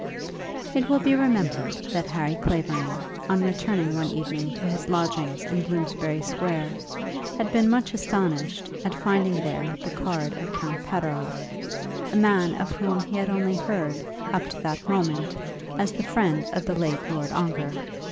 It will be remembered that Harry Clavering, on returning one evening to his lodgings in Bloomsbury Square, had been much astonished at finding there the card of Count Pateroff, a man of whom he had only heard, up to that moment, as the friend of the late Lord Ongar.